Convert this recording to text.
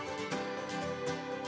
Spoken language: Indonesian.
jadi kita harus berhati hati